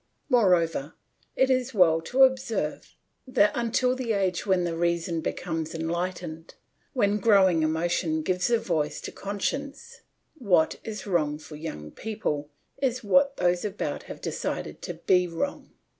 Moreover, it is as well to observe that, until the age when the reason becomes enlightened, when growing emotion gives a voice to conscience, what is wrong for young people is what those about have decided to be wrong.